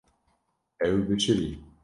Ew bişirî.